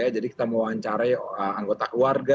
jadi kita mewawancari anggota keluarga